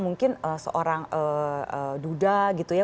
mungkin seorang duda gitu ya